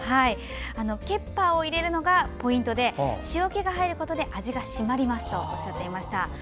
ケッパーを入れるのがポイントで塩気が入ることで味が締まりますとおっしゃっていました。